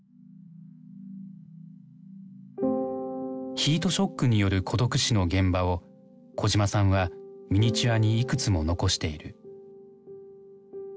ヒートショックによる孤独死の現場を小島さんはミニチュアにいくつも残している。